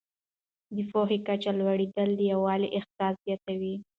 د پوهې کچه لوړېدل د یووالي احساس زیاتوي.